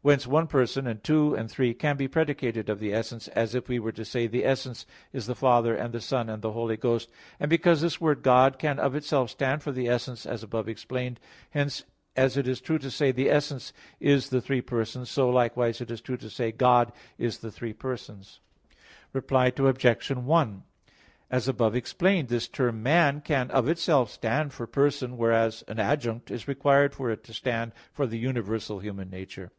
Whence, one person, and two, and three, can be predicated of the essence as if we were to say, "The essence is the Father, and the Son, and the Holy Ghost." And because this word "God" can of itself stand for the essence, as above explained (A. 4, ad 3), hence, as it is true to say, "The essence is the three persons"; so likewise it is true to say, "God is the three persons." Reply Obj. 1: As above explained this term "man" can of itself stand for person, whereas an adjunct is required for it to stand for the universal human nature.